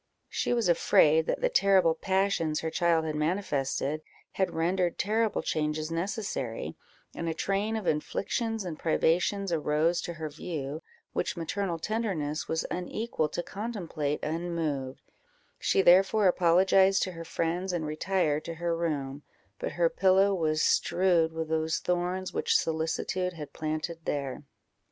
She was afraid that the terrible passions her child had manifested, had rendered terrible changes necessary, and a train of inflictions and privations arose to her view, which maternal tenderness was unequal to contemplate unmoved; she therefore apologized to her friends, and retired to her room, but her pillow was strewed with those thorns which solicitude had planted there.